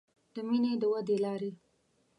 د مینې د ودې لارې